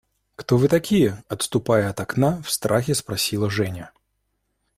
Кто вы такие? – отступая от окна, в страхе спросила Женя.